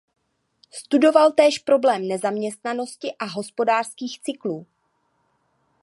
Studoval též problém nezaměstnanosti a hospodářských cyklů.